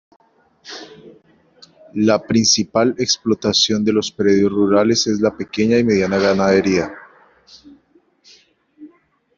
La principal explotación de los predios rurales es la pequeña y mediana ganadería.